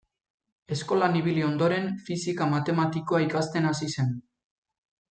Eskolan ibili ondoren, fisika matematikoa ikasten hasi zen.